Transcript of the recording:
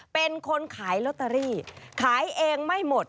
เป็นคนขายลอตเตอรี่ขายเองไม่หมด